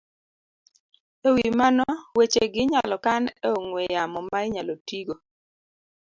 E wi mano, wechegi inyalo kan e ong'we yamo ma inyalo tigo